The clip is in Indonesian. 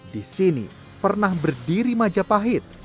di sini pernah berdiri majapahit